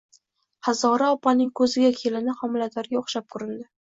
Hazora opaning koʻziga kelini homiladorga oʻxshab koʻrindi